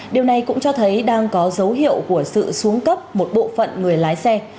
điều này cũng cho thấy đang có dấu hiệu của sự xuống cấp một bộ phận người lái xe